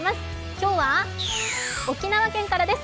今日は沖縄県からです。